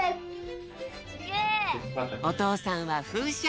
おとうさんはふうしゃ。